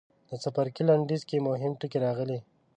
د څپرکي لنډیز کې مهم ټکي راغلي.